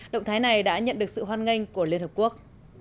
động thái này đã nhận được sự hoan nghênh của liên hợp quốc